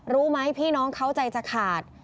รู้ไหมพี่น้องเขาใจจะขาด